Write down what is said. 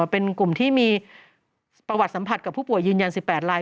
เป็นกลุ่มที่มีประวัติสัมผัสกับผู้ป่วยยืนยัน๑๘ราย